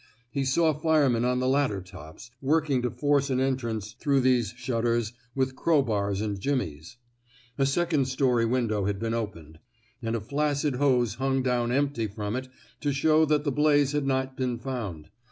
He saw firemen on ladder tops, working to force 227 THE SMOKE EATERS an entrance through these shutters with crowbars and jimmies. A second story win dow had been opened, and a flaccid hose hung down empty from it to show that the blaze had not been found.